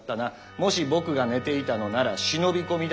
もし僕が寝ていたのなら忍び込みだ。